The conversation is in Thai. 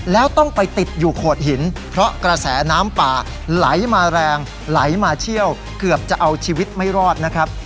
แล้วต้องไปติดอยู่โขดหินเพราะกระแสน้ำป่าไหลมาแรงไหลมาเชี่ยวเกือบจะเอาชีวิตไม่รอดนะครับ